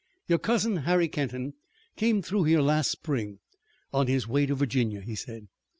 "Your cousin, Harry Kenton, came through here last spring on his way to Virginia," he said.